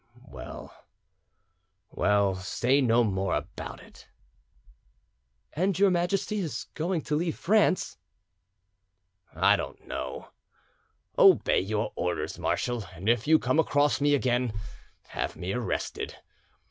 "Well, well, say no more about it." "And your Majesty is going to leave France?" "I don't know. Obey your orders, marshal, and if you come across me again, have me arrested.